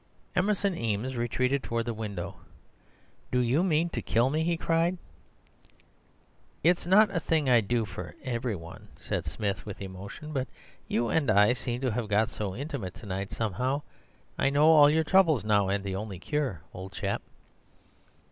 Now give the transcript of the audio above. "Emerson Eames retreated towards the window. 'Do you mean to kill me?' he cried. "'It's not a thing I'd do for every one,' said Smith with emotion; 'but you and I seem to have got so intimate to night, somehow. I know all your troubles now, and the only cure, old chap.